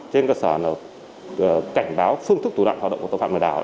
trên cơ sở cảnh báo phương thức tủ đoạn hoạt động của tổng phạm lừa đảo